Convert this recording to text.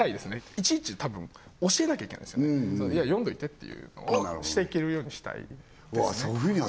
いちいちたぶん教えなきゃいけないですよねいや読んどいてっていうのをしていけるようにしたいうわ